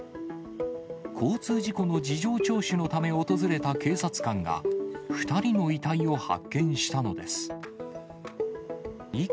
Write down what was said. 交通事故の事情聴取のため訪れた警察官が、２人の遺体を発見したのです。